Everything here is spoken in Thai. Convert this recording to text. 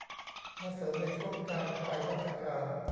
มาเสริมในช่วงการคลายมาตรการ